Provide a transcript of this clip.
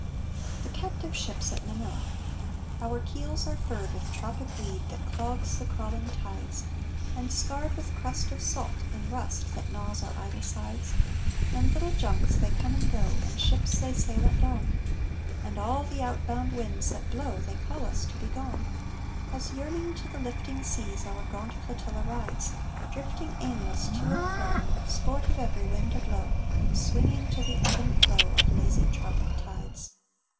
THE CAPTIVE SHIPS AT MANILA Our keels are furred with tropic weed that clogs the crawling tides And scarred with crust of salt and rust that gnaws our idle sides; And little junks they come and go, and ships they sail at dawn; And all the outbound winds that blow they call us to be gone, As yearning to the lifting seas our gaunt flotilla rides, Drifting aimless to and fro, Sport of every wind a blow, Swinging to the ebb and flow Of lazy tropic tides.